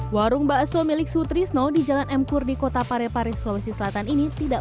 warung bakso milik sutrisno di jalan mkur di kota parepare sulawesi selatan ini tidak